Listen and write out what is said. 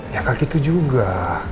ya gak gitu juga